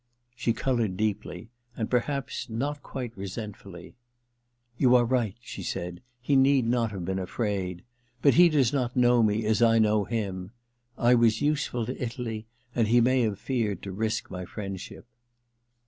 * She coloured deeply, and perhaps not quite resentfully. * You are right,' she said ;* he need not have been afraid. But he does not know me as I know him. I was useful to Italy, and he may have feared to risk my friendship.'